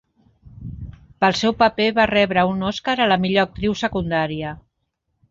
Pel seu paper va rebre un Oscar a la millor actriu secundària.